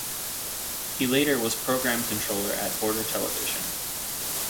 He later was Programme Controller at Border Television.